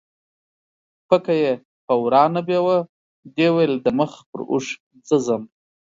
پکه یې په وراه نه بیوه، دې ویل د مخ پر اوښ زه ځم